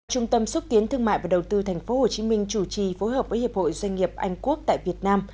trung tâm xuất kiến thương mại và đầu tư thành phố hồ chí minh chủ trì phối hợp với hiệp hội doanh nghiệp anh quốc tại việt nam